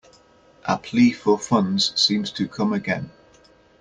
A plea for funds seems to come again.